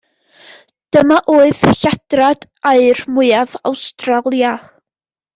Dyma oedd lladrad aur mwyaf Awstralia.